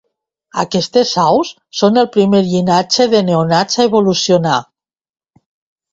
Aquestes aus són el primer llinatge de neògnats a evolucionar.